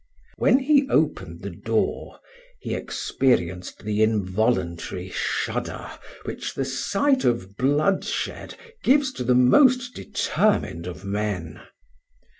When he opened the door he experienced the involuntary shudder which the sight of bloodshed gives to the most determined of men.